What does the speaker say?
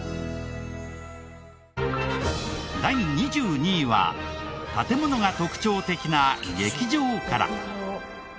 第２２位は建ものが特徴的な劇場から。